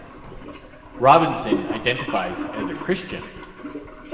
Robinson identifies as a Christian.